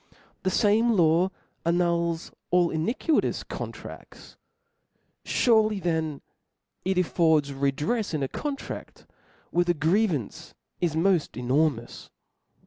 The fame law annuls all iniquitous contradts ; furely then it affords redrefs in a con tract where the grievance is moft enormous.